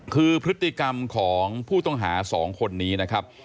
คือพฤติกรรมของผู้ต้องหา๒คนนี้นะครับ